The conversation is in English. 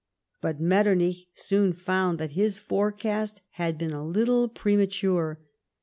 But Metternich soon found that his forecast had been a little premature.